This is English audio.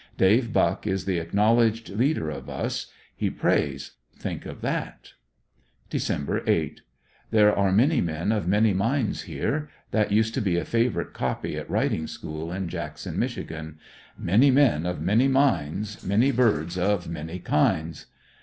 Dave Buck is the acknowledged leader of us. He prays; think of that. Dec. 8 — There are many men of many minds here. That used to be a favorite copy at writing school in Jackson, Mich. ''Many men of many minds, many birds of many kinds."